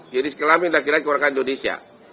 jadi sekeliling laki laki warga indonesia